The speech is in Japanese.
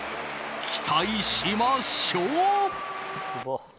期待しましょう。